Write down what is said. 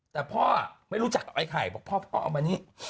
แต่พ่อไม่รู้จักกับไอ้ไข่บอกพ่อเอามานี่